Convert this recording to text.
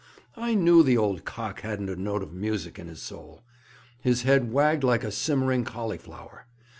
I knew the old cock hadn't a note of music in his soul. His head wagged like a simmering cauliflower.